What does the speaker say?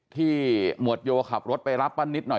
หมวดโยขับรถไปรับป้านิตหน่อย